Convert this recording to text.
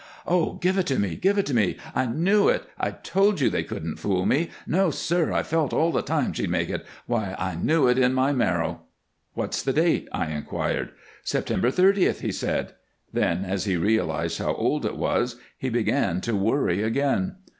"Ah h! Give it to me! Give it to me! I knew it! I told you they couldn't fool me. No, sir. I felt all the time she'd make it. Why, I knew it in my marrow!" "What's the date?" I inquired. "September thirtieth," he said. Then, as he realized how old it was, he began to worry again.